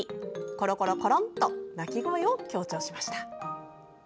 「コロコロコロン」と鳴き声を強調しました。